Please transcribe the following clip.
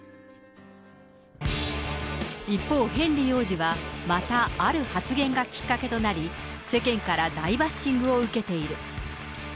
一方、ヘンリー王子は、またある発言がきっかけとなり、世間から大バッシングを受けている。